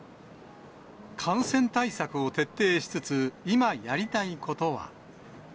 感染対策を徹底しつつ、今、やりたいことは。